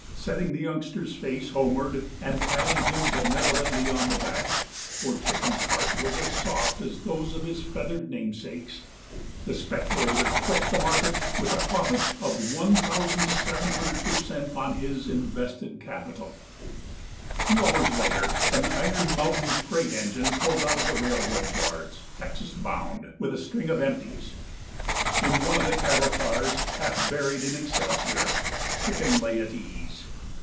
Setting the youngster's face homeward, and patting him benevolently on the back for Chicken's heart was as soft as those of his feathered namesakes the speculator quit the market with a profit of 1,700 per cent. on his invested capital. Two hours later an Iron Mountain freight engine pulled out of the railroad yards, Texas bound, with a string of empties. In one of the cattle cars, half buried in excelsior, Chicken lay at ease.